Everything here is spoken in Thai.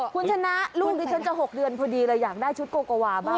คุณชนะลูกดิฉันจะ๖เดือนพอดีเลยอยากได้ชุดโกโกวาบ้าง